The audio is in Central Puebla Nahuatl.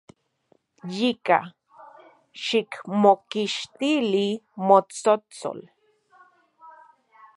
Yika, xikmokixtili motsotsol.